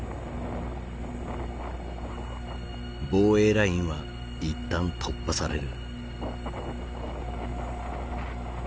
防衛ラインは一旦突破される。